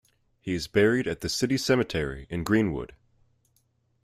He is buried at the City Cemetery in Greenwood.